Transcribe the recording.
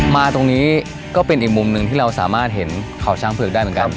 มาตรงนี้ก็เป็นอีกมุมหนึ่งที่เราสามารถเห็นเขาช้างเผือกได้เหมือนกัน